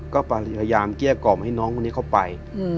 ก็พยายามเกลี้ยกล่อมให้น้องคนนี้เข้าไป